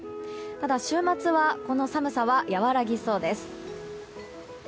ただ、週末はこの寒さは和らぎそうです。